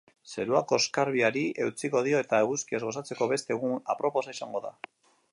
Zeruak oskarbiari eutsiko dio, eta eguzkiaz gozatzeko beste egun aproposa izango da.